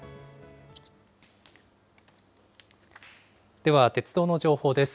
では鉄道の情報です。